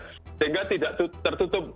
sehingga tidak tertutup